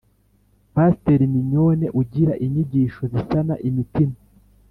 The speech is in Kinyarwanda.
Paster mignone ugira inyigisho zisana imitima